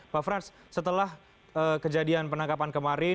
pak frans setelah kejadian penangkapan kemarin